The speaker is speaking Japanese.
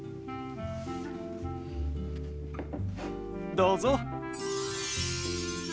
どうぞ。